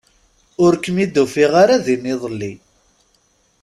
Ur kem-id-ufiɣ ara din iḍelli.